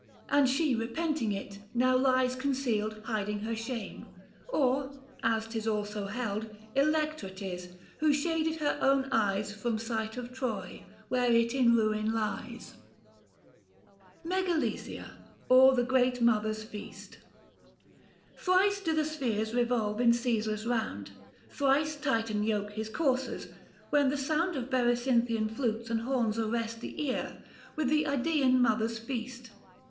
And she repenting it, now lies concealed, Hiding her shame ; or as 'tis also held Electra 'tis, who shaded her own eyes From sight of Troy, where it in ruin lies. 195 PEID. NON. APE. MEGALESIA, OE THE GEEAT MOTHEE S FEAST. Thrice do the spheres revolve in ceaseless round, Thrice Titan yoke his coursers, when the sound Of Berecynthian flutes and horns arrest 200 The ear, with the Xdaean mother's feast.